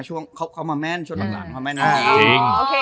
ช่วงข้างหลังมาแม่น